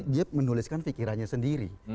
dia menuliskan fikirannya sendiri